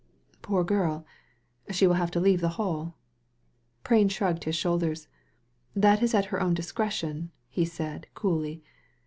" Poor girl. She will have to leave the Hall." Prain shrugged his shoulders. That is at her own discretion," he said, coolly.